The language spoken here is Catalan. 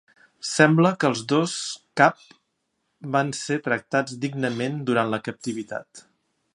Sembla que els dos cap van ser tractats dignament durant la captivitat.